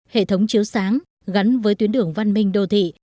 hệ thống chiếu sáng gắn với tuyến đường văn minh đô thị